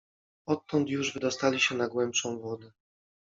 Odtąd już wydostali się na głębszą wodę.